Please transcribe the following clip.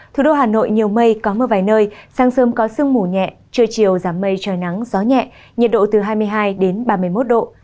thủ đô hà nội nhiều mây có mưa vài nơi sáng sớm có sương mù nhẹ trưa chiều giảm mây trời nắng gió nhẹ nhiệt độ từ hai mươi hai đến ba mươi một độ